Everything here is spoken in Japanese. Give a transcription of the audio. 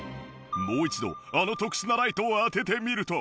もう一度あの特殊なライトを当ててみると。